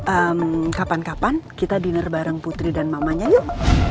eh kapan kapan kita dinner bareng putri dan mamanya yuk